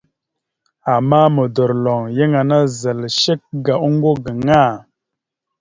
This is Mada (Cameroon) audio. Ama modorloŋ, yan ana zal shek ga oŋgo gaŋa.